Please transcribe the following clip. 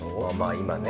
今ね。